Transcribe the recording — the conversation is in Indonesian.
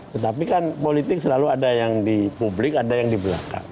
tetapi kan politik selalu ada yang di publik ada yang di belakang